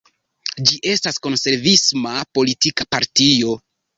Ĝi estas konservisma politika partio.